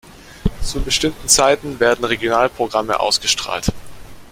Zu bestimmten Zeiten werden Regionalprogramme ausgestrahlt.